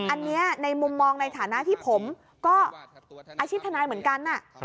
อันนี้ในมุมมองในฐานะที่ผมก็อาชีพทนายเหมือนกัน